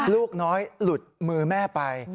ลูกน้อยหลุดมือแม่ไป